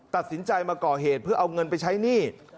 ตัดสินใจมาก่อเหตุเพื่อเอาเงินไปใช้หนี้